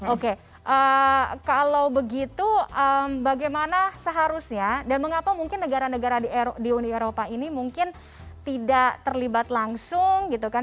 oke kalau begitu bagaimana seharusnya dan mengapa mungkin negara negara di uni eropa ini mungkin tidak terlibat langsung gitu kan